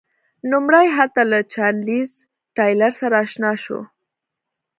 نوموړی هلته له چارلېز ټایلر سره اشنا شو.